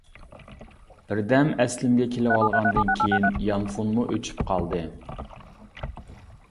بىردەم ئەسلىمگە كېلىۋالغاندىن كېيىن، يانفونمۇ ئۆچۈپ قالدى.